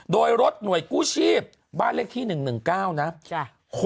โดยรถหน่วยกู้ชีพบ้านเลขที่๑๑๙นะ